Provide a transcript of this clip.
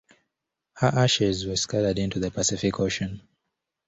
Her ashes were scattered into the Pacific Ocean.